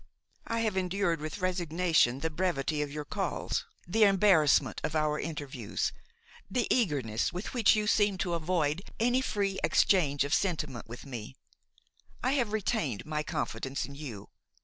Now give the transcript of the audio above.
I have endured with resignation the brevity of your calls, the embarrassment of our interviews, the eagerness with which you seemed to avoid any free exchange of sentiment with me; I have retained my confidence in you.